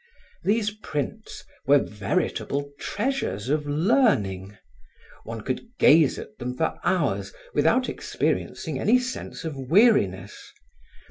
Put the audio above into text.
These prints were veritable treasures of learning. One could gaze at them for hours without experiencing any sense of weariness.